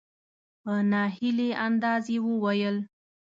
په نا هیلي انداز یې وویل .